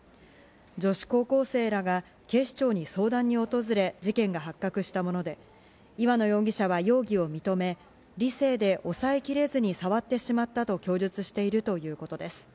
女子高校生らが警視庁に相談に訪れ、事件が発覚したもので、岩野容疑者は容疑を認め、理性で抑えきれずに触ってしまったと供述しているということです。